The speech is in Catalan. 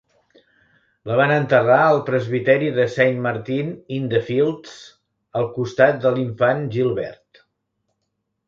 La van enterrar al presbiteri de Saint Martin-in-the-Fields al costat de l'infant Gilbert.